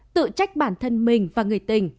tự trách bản thân mình và người tình